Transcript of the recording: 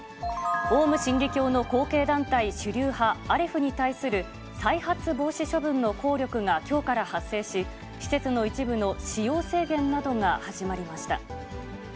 オウム真理教の後継団体主流派、アレフに対する再発防止処分の効力がきょうから発生し、施設の一部の使用制限などが始まりました。